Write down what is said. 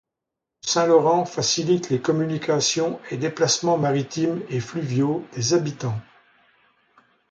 Le Saint-Laurent facilite les communications et déplacements maritimes et fluviaux des habitants.